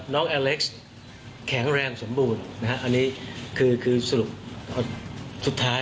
น้องอเล็กซ์แข็งแรงสมบูรณ์นะฮะอันนี้คือคือสรุปสุดท้าย